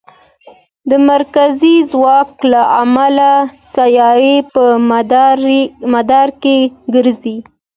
د مرکزي ځواک له امله سیارې په مدار کې ګرځي.